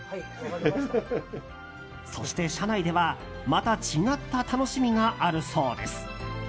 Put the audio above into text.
そして車内ではまた違った楽しみがあるそうです。